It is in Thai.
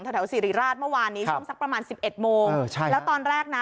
แถวสิริราชเมื่อวานนี้ช่องสักประมาณ๑๑โมงแล้วตอนแรกนะ